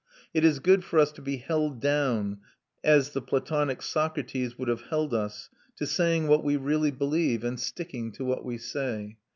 It is good for us to be held down, as the Platonic Socrates would have held us, to saying what we really believe, and sticking to what we say.